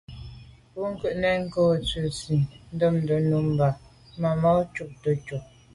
Bwɔ́ŋkə́’ nɛ̀n cɔ́sì ndʉ sɛ́ɛ̀nî ndɛ́mbə̄ júp màmá cúptə́ úp.